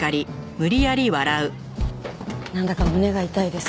なんだか胸が痛いです。